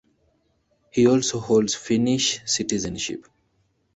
He also holds Finnish citizenship.